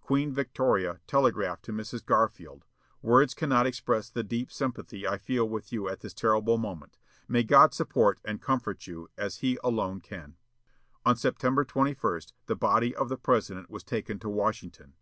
Queen Victoria telegraphed to Mrs. Garfield: "Words cannot express the deep sympathy I feel with you at this terrible moment. May God support and comfort you, as he alone can." On September 21, the body of the President was taken to Washington.